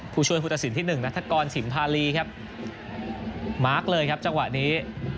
ผู้ช่วยผู้ตัดสินที่๑นัฐกรสิมภารีครับมาร์คเลยครับจังหวะนี้